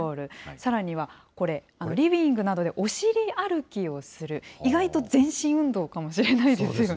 さらにはこれ、リビングなどでお尻歩きをする、意外と全身運動かもしれないですよね。